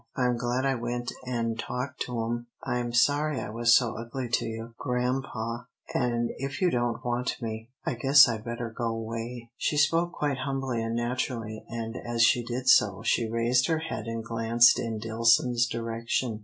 I'm glad I went an' talked to 'em I'm sorry I was so ugly to you, grampa, an' if you don't want me, I guess I'd better go 'way." She spoke quite humbly and naturally, and, as she did so, she raised her head and glanced in Dillson's direction.